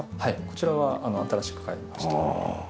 こちらは新しく買いました。